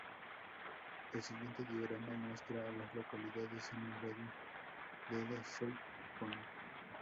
El siguiente diagrama muestra a las localidades en un radio de de Shell Point.